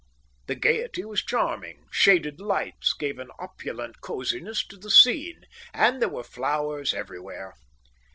The gaiety was charming. Shaded lights gave an opulent cosiness to the scene, and there were flowers everywhere.